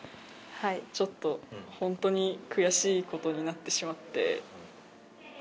ちょっと、本当に悔しいことになってしまって。